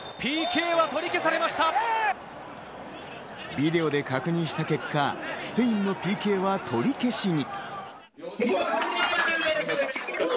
ビデオで確認した結果、スペインのＰＫは取り消しに。